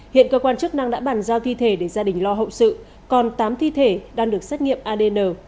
hiện cơ quan chức năng đã bàn giao thi thể để gia đình lo hậu sự còn tám thi thể đang được xét nghiệm adn